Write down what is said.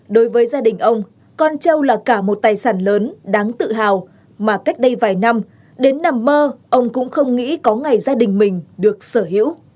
đối với gia đình ông con châu là cả một tài sản lớn đáng tự hào mà cách đây vài năm đến nằm mơ ông cũng không nghĩ có ngày gia đình mình được sở hữu